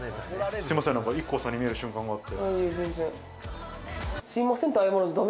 すみません、ＩＫＫＯさんに見える瞬間があって。